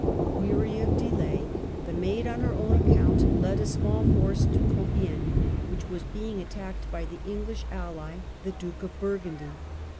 Weary of delay the Maid, on her own account, led a small force to Compiegne, which w^as being attacked by the English Capture of ally, the Duke of Burgundy.